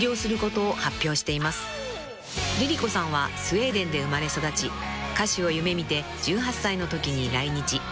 ［ＬｉＬｉＣｏさんはスウェーデンで生まれ育ち歌手を夢見て１８歳のときに来日］